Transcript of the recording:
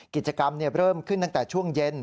กิจกรรมเริ่มขึ้นตั้งแต่ช่วงเย็น